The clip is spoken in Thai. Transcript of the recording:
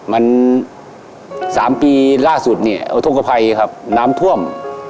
มัน๓ปีล่าสุดเนี่ยมันทุกข์ภัยครับนามถ่วม